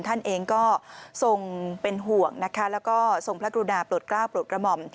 ท่านเองก็ทรงเป็นห่วงและก็ทรงพระกรุณาปลดกล้าปลดกระหม่อม